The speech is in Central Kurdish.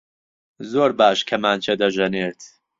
زۆر باش کەمانچە دەژەنێت.